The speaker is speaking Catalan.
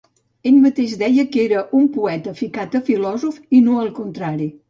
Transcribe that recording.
Ell mateix deia que era un poeta ficat a filòsof, i no al contrari.